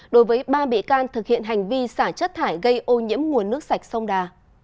đối với ba bị can thực hiện hành vi xả chất thải gây ô nhiễm nguồn nước sạch sông đà